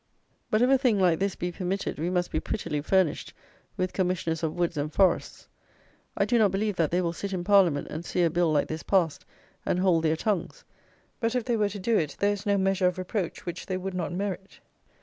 But if a thing like this be permitted, we must be prettily furnished with Commissioners of woods and forests! I do not believe that they will sit in Parliament and see a Bill like this passed and hold their tongues; but if they were to do it, there is no measure of reproach which they would not merit.